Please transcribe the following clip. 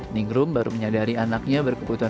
ningrum baru menyadari anaknya berkebutuhan